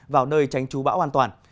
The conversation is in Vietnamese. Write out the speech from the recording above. vào nơi tránh chú bão an toàn